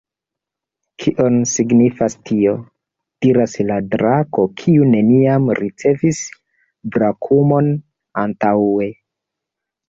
"Kion signifas tio?" diras la drako, kiu neniam ricevis brakumon antaŭe.